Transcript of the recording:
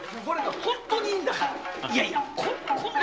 本当にいいんだから。